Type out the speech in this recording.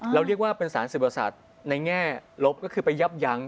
เราเรียกว่าเป็นสารศิลปศาสตร์ในแง่ลบก็คือไปยับยัง